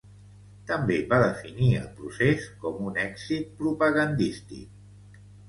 També va definir el procés com ‘un èxit propagandístic’.